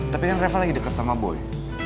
tapi kan reva lagi deket sama boy